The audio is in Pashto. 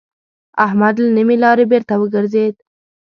احمد له نيمې لارې بېرته وګرځېد.